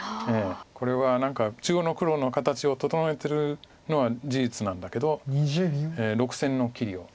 これは何か中央の黒の形を整えてるのは事実なんだけど６線の切りを狙ってますよね。